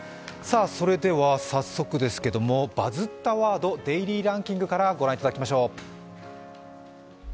早速ですけれども「バズったワードデイリーランキング」から御覧いただきましょう。